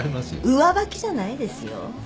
上履きじゃないですよ。